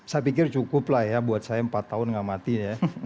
saya pikir cukup lah ya buat saya empat tahun gak matiin ya